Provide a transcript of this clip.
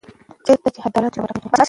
چېرته چې عدالت وي هلته برکت وي.